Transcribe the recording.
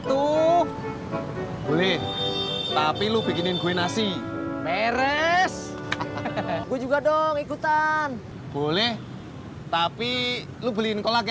tuh boleh tapi lu bikinin gue nasi beres gue juga dong ikutan boleh tapi lu beliin kolagen